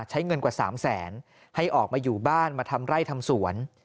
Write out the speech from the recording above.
ใช้เงินกว่า๓แสนให้ออกมาอยู่บ้านมาทำไร่ทำสวน